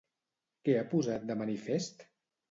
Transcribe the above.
Què ha posat de manifest?